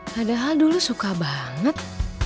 padahal dulu suka banget